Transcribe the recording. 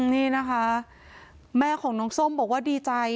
นี่นะคะแม่ของน้องส้มบอกว่าดีใจ